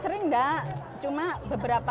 sering enggak cuma beberapa